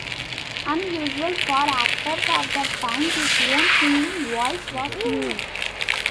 Unusual for actors of the time, his own singing voice was used.